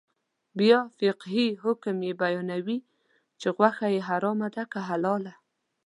بیا فقهي حکم یې بیانوي چې غوښه یې حرامه ده که حلاله.